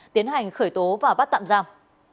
tiến hành khởi tố và bắt tạm giam